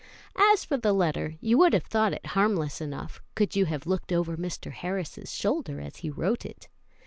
As for the letter, you would have thought it harmless enough could you have looked over Mr. Harris's shoulder as he wrote it.